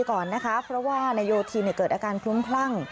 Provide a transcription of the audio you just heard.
ก่อนนะคะเพราะว่านายโยธินเกิดอาการคลุ้มคลั่ง